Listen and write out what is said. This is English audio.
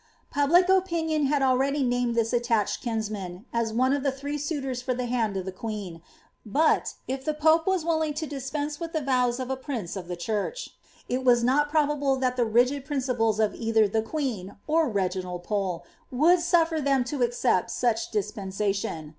Public opinion had already named this attached kinsman, as one of the three suitors for the hand of the queen ; but, if the pope was willing to dispense with the vows of a prince of the church, it was not pro bable that the rigid principles of either the queen, or Reginald Pole, woulil sutler them to accept such dispensation.